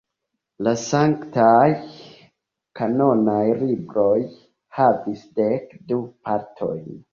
La sanktaj kanonaj libroj havis dek du partojn.